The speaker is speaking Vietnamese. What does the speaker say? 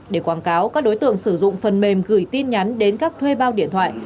để quảng cáo các đối tượng sử dụng phần mềm gửi tin nhắn đến các thuê bao điện thoại